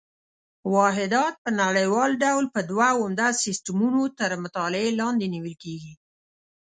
واحدات په نړیوال ډول په دوه عمده سیسټمونو تر مطالعې لاندې نیول کېږي.